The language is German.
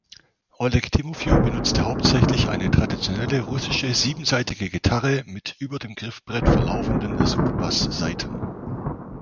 Oleg Timofejew benutzt hauptsächlich eine traditionelle russische siebensaitige Gitarre mit über dem Griffbrett verlaufenden Subbass-Saiten.